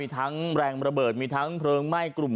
โอ้โหพังเรียบเป็นหน้ากล่องเลยนะครับ